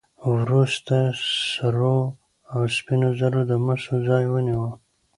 وروسته سرو او سپینو زرو د مسو ځای ونیو.